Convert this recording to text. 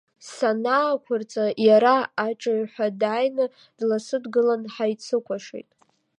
Санаақәырҵа, иара аҽыҩҳәа дааины дласыдгылан, ҳаицыкәашеит.